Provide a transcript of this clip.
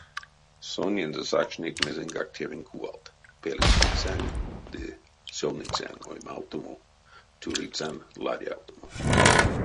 Сонензэ сакшныть мезеньгак тевень кувалт, пелькстыцянь ды сёвныцянь оймавтомо, тюрицянь ладявтомо.